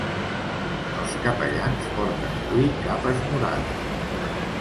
Els capellans porten avui capes morades.